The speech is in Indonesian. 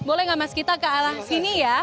boleh nggak mas kita ke arah sini ya